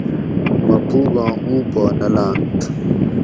مہ پوگاں اُو پا نہ لاۤنت